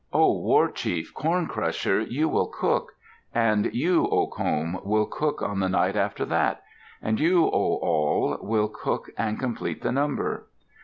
"O war chief, Corn Crusher, you will cook. And you, O Comb, will cook on the night after that. And you, O Awl, will cook, and complete the number."